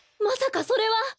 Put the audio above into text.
まさかそれは。